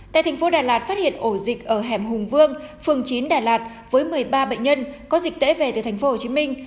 tại thành phố đà lạt phát hiện ổ dịch ở hẻm hùng vương phường chín đà lạt với một mươi ba bệnh nhân có dịch tễ về từ thành phố hồ chí minh